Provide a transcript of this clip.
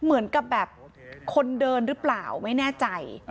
เหมือนกับแบบคนเดินหรือเปล่าไม่แน่ใจ